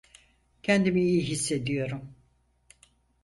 Kendimi iyi hissediyorum.